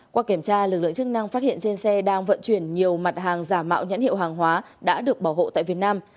qua kiểm tra lực lượng chức năng phát hiện trên xe đang vận chuyển nhiều mặt hàng giả mạo nhãn hiệu hàng hóa đã được bảo hộ tại việt nam